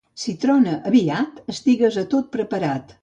Si trona aviat, estigues a tot preparat.